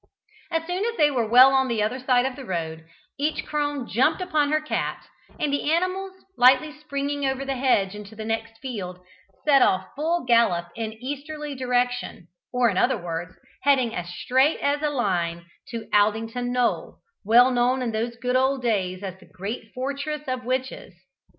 As soon as they were well on the other side of the road, each crone jumped upon her cat, and the animals, lightly springing over the hedge into the next field, set off full gallop in an easterly direction or, in other words, heading as straight as a line to Aldington Knoll, well known in those good old days as the great fortress of witches.